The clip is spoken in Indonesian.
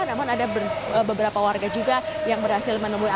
namun ada beberapa warga juga yang berhasil menemui